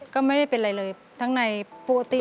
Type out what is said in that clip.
ก็ไม่ได้เป็นอะไรเลยทั้งในปกติ